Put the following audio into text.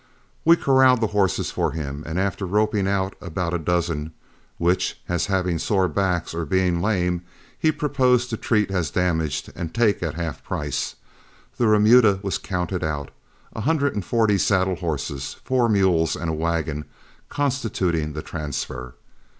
We corralled the horses for him, and after roping out about a dozen which, as having sore backs or being lame, he proposed to treat as damaged and take at half price, the remuda was counted out, a hundred and forty saddle horses, four mules, and a wagon constituting the transfer.